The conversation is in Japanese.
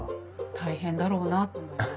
大変だろうなと思います。